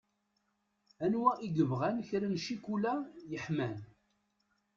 Anwa i yebɣan kra n cikula yeḥman.